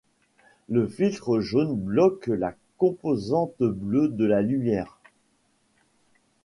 Le filtre jaune bloque la composante bleue de la lumière.